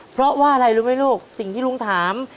เพราะว่าอะไรรู้ไหมลูกสิ่งที่ลุงถาม